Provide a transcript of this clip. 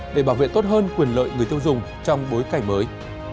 để bảo vệ tốt hơn quyền lợi người tiêu dùng trong bối cảnh mới